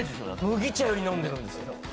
麦茶より飲んでるんです。